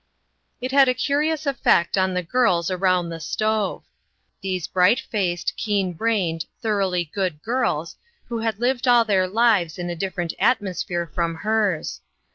It had a curious effect on the girls around the stove. These bright faced, keen brained, thoroughly good girls, who had lived all their lives in a different atmosphere from hers.